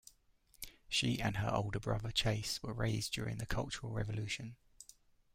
She and her older brother, Chase, were raised during the Cultural Revolution.